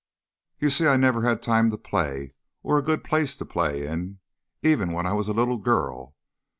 "You see, I never had time to play, or a good place to play in, even when I was a little girl.